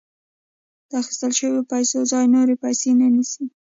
د اخیستل شویو پیسو ځای نورې پیسې نیسي